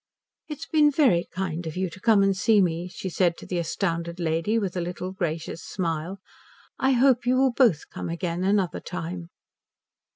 "It has been very kind of you to come and see me," she said to the astounded lady, with a little gracious smile. "I hope you will both come again another time."